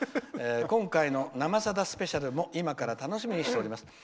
今回の「生さだスペシャル」も今から楽しみにしております。